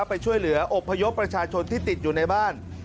ไปช่วยเหลืออบพยพประชาชนที่ติดอยู่ในบ้าน